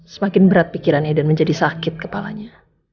semakin berat pikiran eden menjadi sakit kepalanya